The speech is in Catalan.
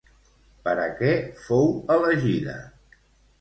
Per a què fou elegida?